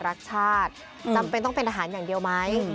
รักชาติจำเป็นต้องเป็นทหารอย่างเดียวไหม